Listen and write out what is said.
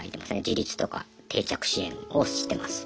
自立とか定着支援をしてます。